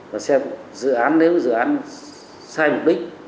và xem dự án nếu dự án sai mục đích